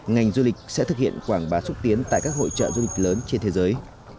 ngành du lịch sẽ thực hiện quảng bá xúc tiến tại các hội trợ du lịch lớn trên thế giới